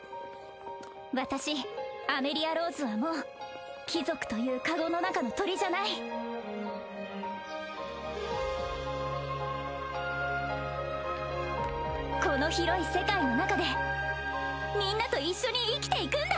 私アメリア＝ローズはもう貴族というカゴの中の鳥じゃないこの広い世界の中でみんなと一緒に生きていくんだ！